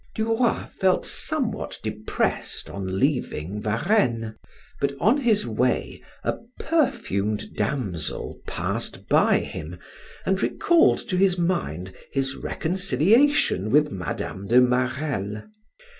Duroy felt somewhat depressed on leaving Varenne, but on his way a perfumed damsel passed by him and recalled to his mind his reconciliation with Mme. de Marelle.